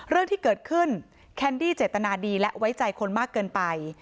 เรื่องที่เกิดขึ้นแคนดี้เจตนาดีและไว้ใจคนมากเกินไป